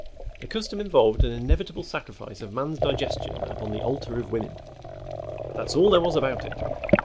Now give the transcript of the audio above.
The custom involved an inevitable sacrifice of man's digestion upon the altar of woman. That's all there was about it.